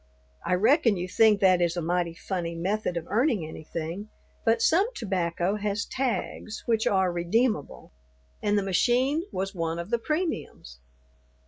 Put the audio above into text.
I reckon you think that is a mighty funny method of earning anything, but some tobacco has tags which are redeemable, and the machine was one of the premiums.